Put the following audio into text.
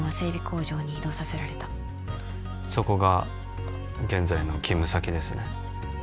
工場に異動させられたそこが現在の勤務先ですね